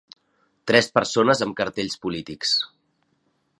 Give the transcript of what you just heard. Tres persones amb cartells polítics.